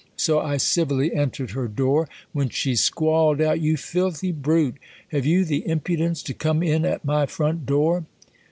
So I civilly entered her door ; when she squalled out, " You filthy brute ! Have you die impudence to come in at my front door